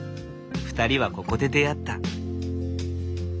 ２人はここで出会った。